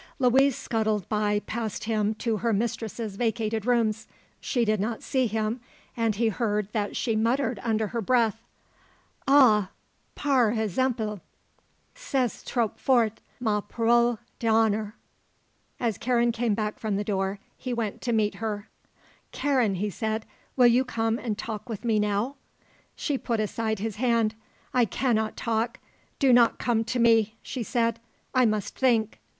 Louise scuttled by past him to her mistress's vacated rooms. She did not see him and he heard that she muttered under her breath: "Ah! par exemple! C'est trop fort, ma parole d'honneur!" As Karen came back from the door he went to meet her. "Karen," he said, "will you come and talk with me, now?" She put aside his hand. "I cannot talk. Do not come to me," she said. "I must think."